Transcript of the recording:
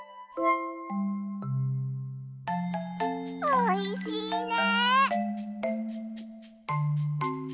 おいしいね！